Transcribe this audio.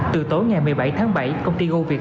từ tối ngày một mươi bảy tháng bảy công ty goviet